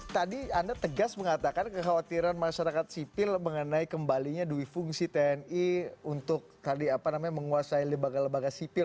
tadi anda tegas mengatakan kekhawatiran masyarakat sipil mengenai kembalinya duifungsi tni untuk tadi apa namanya menguasai lebaga lebaga sipil